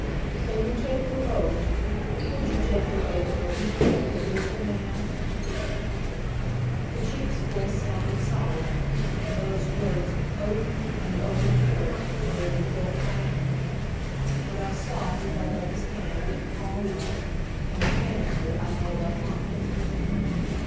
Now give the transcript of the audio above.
"Can you take your oath could you take your oath in open court that he is the man?" The Chief's voice sounded solemn, and those words "oath" and "open court" made me feel frightened. But I saw he held up his hand, palm out, and mechanically I held up mine.